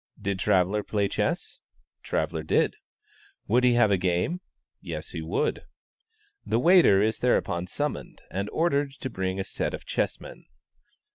"Did Traveller play chess?" Traveller did. "Would he have a game?" Yes, he would. The waiter is thereupon summoned, and ordered to bring in a set of chessmen.